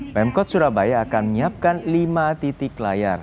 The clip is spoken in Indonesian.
pemkot surabaya akan menyiapkan lima titik layar